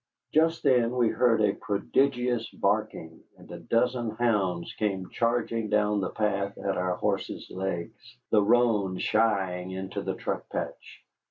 Just then we heard a prodigious barking, and a dozen hounds came charging down the path at our horses' legs, the roan shying into the truck patch.